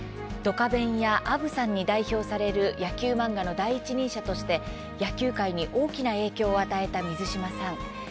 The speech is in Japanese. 「ドカベン」や「あぶさん」に代表される野球漫画の第一人者として野球界に大きな影響を与えた水島さん。